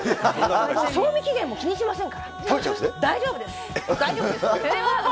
賞味期限も気にしませんから。